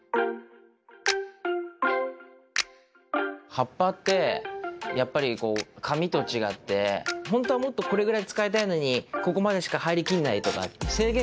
葉っぱってやっぱり紙と違ってほんとはもっとこれぐらい使いたいのにここまでしか入りきんないとか